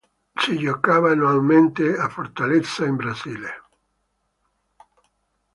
Si giocava annualmente a Fortaleza in Brasile.